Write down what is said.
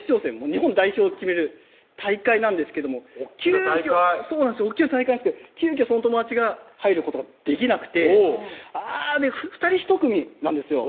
日本代表を決める大会なんですけども大っきな大会大っきな大会なんですけど急遽その友達が入ることができなくて２人ひと組なんですよ